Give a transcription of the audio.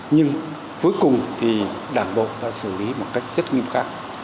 nhưng cuối cùng thì đảng bộ đã xử lý một cách rất nghiêm khắc